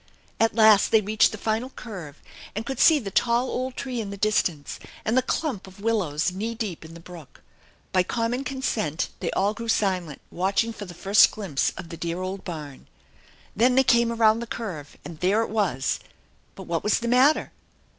At last they reached the final curve and could see the tall old tree in the distance, and the clump of willows knee deep in the brook. By common consent they all grew silent, watch ing for the first glimpse of the dear old barn. Then they came around the curve, and there it was ! But tfhat was the matter?